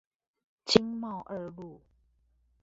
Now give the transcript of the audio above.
經貿二路